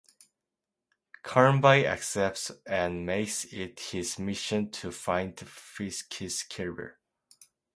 Carnby accepts and makes it his mission to find Fiske's killer.